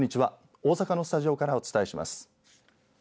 大阪のスタジオからお伝えします。